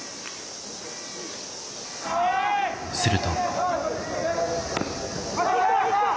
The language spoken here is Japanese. すると。